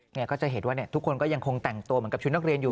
ก็จะเห็นว่าเนี่ยทุกคนก็ยังคงแต่งตัวเหมือนกับชุดนักเรียนอยู่